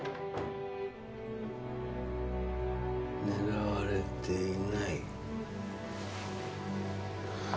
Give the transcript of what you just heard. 狙われていない。